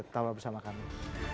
tetap bersama kami